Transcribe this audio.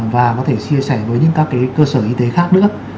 và có thể chia sẻ với những các cơ sở y tế khác nữa